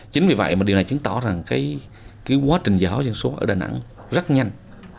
chính vì vậy mà điều này chứng tỏ rằng cái quá trình giáo dân số ở đà nẵng rất nhanh